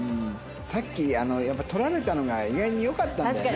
さっき取られたのが意外によかったんだよな。